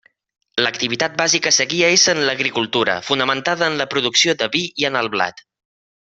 L'activitat bàsica seguia essent l'agricultura, fonamentada en la producció de vi i en el blat.